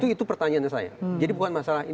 itu pertanyaan saya jadi bukan masalah